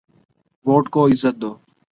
Vote کو عزت دو۔